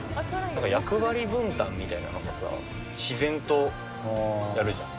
なんか役割分担みたいなのがさ、自然とやるじゃん。